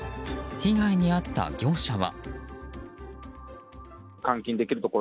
被害に遭った業者は。